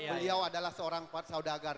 beliau adalah seorang pak saudagar